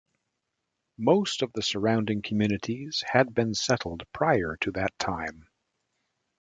Most of the surrounding communities had been settled prior to that time.